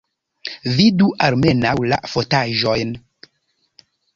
Vidu almenaŭ la fotaĵojn!